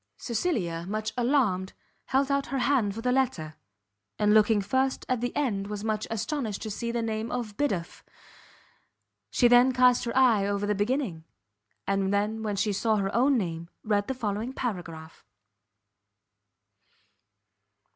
Cecilia, much alarmed, held out her hand for the letter; and looking first at the end was much astonished to see the name of Biddulph. She then cast her eye over the beginning, and when she saw her own name, read the following paragraph.